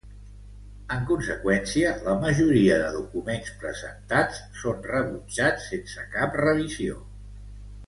En conseqüència, la majoria de documents presentats són rebutjats sense cap revisió.